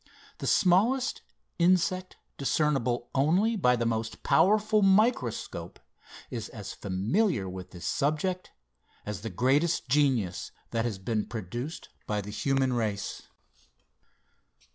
The smallest insect discernible only by the most powerful microscope, is as familiar with this subject, as the greatest genius that has been produced by the human race.